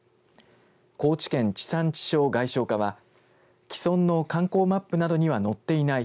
高知県地産地消・外商課は既存の観光マップなどには載っていない。